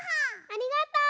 ありがとう。